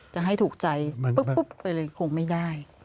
จะให้ถูกใจปุ๊บไปเลยคงไม่ได้